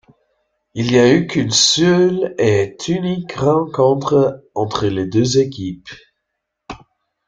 Il n'y a eu qu'une seule et unique rencontre entre les deux équipes.